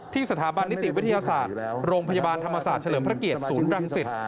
สถาบันนิติวิทยาศาสตร์โรงพยาบาลธรรมศาสตร์เฉลิมพระเกียรติศูนย์รังสิต